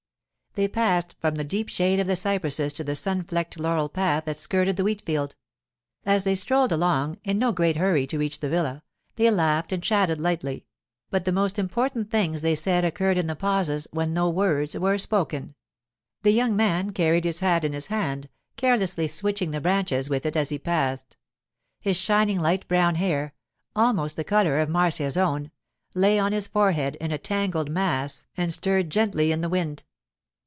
They passed from the deep shade of the cypresses to the sun flecked laurel path that skirted the wheat field. As they strolled along, in no great hurry to reach the villa, they laughed and chatted lightly; but the most important things they said occurred in the pauses when no words were spoken. The young man carried his hat in his hand, carelessly switching the branches with it as he passed. His shining light brown hair—almost the colour of Marcia's own—lay on his forehead in a tangled mass and stirred gently in the wind.